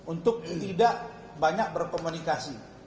untuk tidak banyak berkomunikasi